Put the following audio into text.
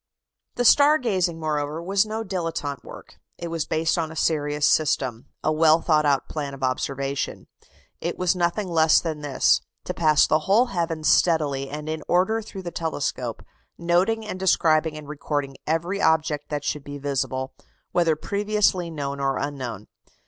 The star gazing, moreover, was no dilettante work; it was based on a serious system a well thought out plan of observation. It was nothing less than this to pass the whole heavens steadily and in order through the telescope, noting and describing and recording every object that should be visible, whether previously known or unknown.